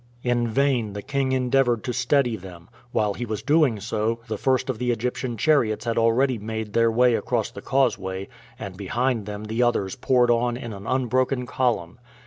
In vain the king endeavored to steady them. While he was doing so, the first of the Egyptian chariots had already made their way across the causeway, and behind them the others poured on in an unbroken column.